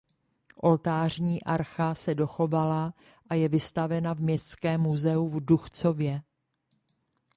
Oltářní archa se dochovala a je vystavena v Městském muzeu v Duchcově.